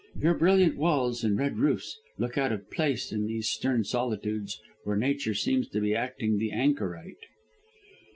"Your brilliant walls and red roofs look out of place in these stern solitudes, where Nature seems to be acting the anchorite."